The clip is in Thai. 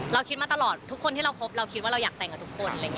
เราคิดมาตลอดทุกคนที่เราคบเราคิดว่าเราอยากแต่งกับทุกคน